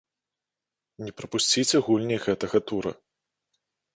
Не прапусціце гульні гэтага тура.